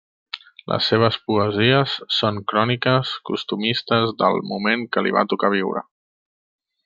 Les seues poesies són cròniques costumistes del moment que li va tocar viure.